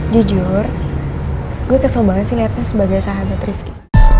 jujur gue kesel banget sih liatnya sebagai sahabat rifqi